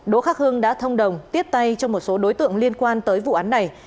đỗ khắc hưng đã thông đồng tiếp tay cho một số đối tượng liên quan tới vụ án này